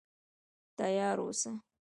تیار اوسه.